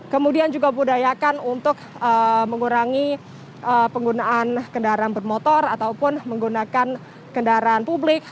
kemudian juga budayakan untuk mengurangi penggunaan kendaraan bermotor ataupun menggunakan kendaraan publik